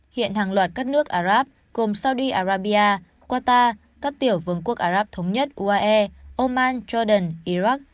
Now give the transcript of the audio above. hiện hàng loạt các nước arab gồm saudi arabia qatar các tiểu vương quốc arab thống nhất uae oman jordan iraq